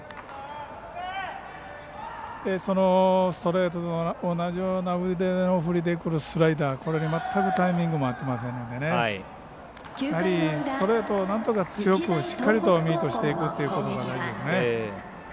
そのストレートと同じような腕の振りでくるスライダー、これに全くタイミングが合っていませんのでやはり、ストレートをなんとか強くしっかりとミートしていくということが大事ですね。